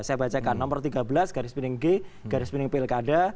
saya bacakan nomor tiga belas garis piring g garis piring plk ada dua ribu lima belas